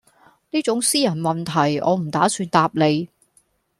呢種私人問題我唔打算答你